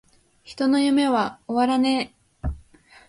人の夢は!!!終わらねェ!!!!